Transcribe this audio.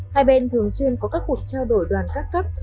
hai bên thường xuyên có các cuộc trao đổi đoàn các cấp